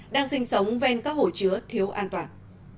đang sinh sống ven các hồ chứa thiếu an toàn